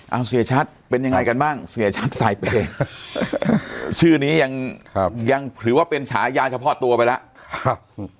เอาเสียชัดเป็นยังไงกันบ้างเสียชัดสายเปย์ชื่อนี้ยังครับยังถือว่าเป็นฉายาเฉพาะตัวไปแล้ว